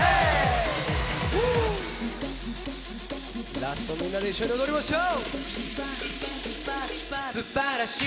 ラスト、みんなで一緒に踊りましょう。